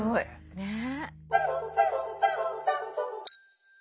ねえ。